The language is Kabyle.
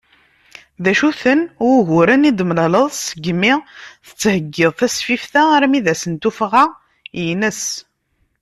D acu-ten wuguren i d-temlaleḍ segmi tettheggiḍ tasfift-a armi d ass n tuffɣa-ines?